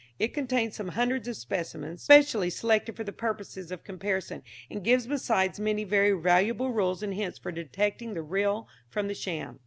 It contains some hundreds of specimens, specially selected for the purposes of comparison, and gives besides many very valuable rules and hints for detecting the real from the sham.